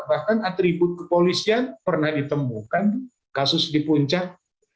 bahkan atribut kepolisian pernah ditemukan kasus di puncak